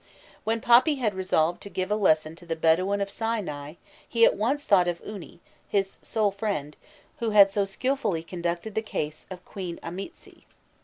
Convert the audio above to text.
When Papi had resolved to give a lesson to the Bedouin of Sinai, he at once thought of Uni, his "sole friend," who had so skilfully conducted the case of Queen Amîtsi.